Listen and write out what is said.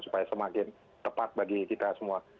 supaya semakin tepat bagi kita semua